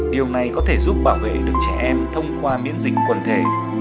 điều này có thể giúp bảo vệ được trẻ em thông qua miễn dịch quần thể